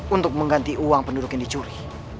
untuk mengganti uang penduduk yang dicuri